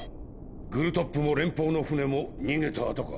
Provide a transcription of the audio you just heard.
グルトップも連邦の艦も逃げたあとか。